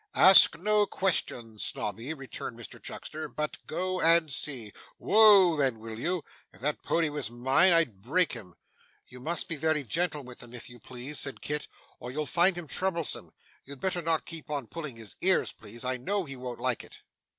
'Ask no questions, Snobby,' returned Mr Chuckster, 'but go and see. Woa a a then, will you? If that pony was mine, I'd break him.' 'You must be very gentle with him, if you please,' said Kit, 'or you'll find him troublesome. You'd better not keep on pulling his ears, please. I know he won't like it.